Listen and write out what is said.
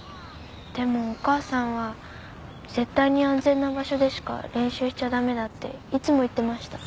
でもお母さんは絶対に安全な場所でしか練習しちゃ駄目だっていつも言ってました。